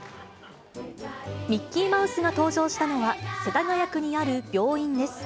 ミッキーマウスが登場したのは、世田谷区にある病院です。